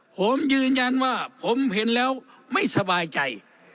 ผมยืนยันว่าผมเห็นแล้วไม่สบายใจ